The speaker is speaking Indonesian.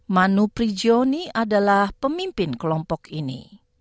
manu prijoni adalah pemimpin kelompok ini